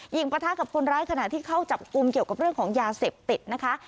ประทะกับคนร้ายขณะที่เข้าจับกลุ่มเกี่ยวกับเรื่องของยาเสพติดนะคะ